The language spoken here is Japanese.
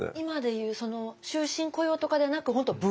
今で言う終身雇用とかではなく本当